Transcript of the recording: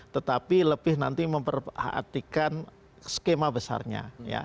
tetapi lebih nanti memperhatikan skema besarnya